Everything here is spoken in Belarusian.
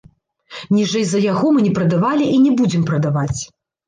Ніжэй за яго мы не прадавалі і не будзем прадаваць.